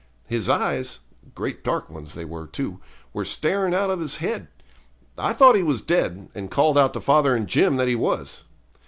His eyes great dark ones they were, too were staring out of his head. I thought he was dead, and called out to father and Jim that he was.